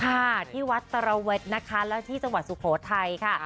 ค่ะที่วัดตรเวทนะคะแล้วที่จังหวัดสุโขทัยค่ะ